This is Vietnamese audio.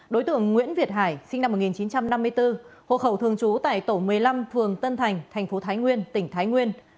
đối tượng nguyễn việt hải sinh năm một nghìn chín trăm năm mươi bốn hộ khẩu thường trú tại tổ một mươi năm phường tân thành thành phố thái nguyên tỉnh thái nguyên